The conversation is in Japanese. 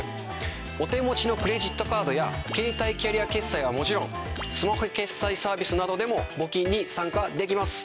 お手持ちのクレジットカードやケータイキャリア決済はもちろんスマホ決済サービスなどでも募金に参加できます。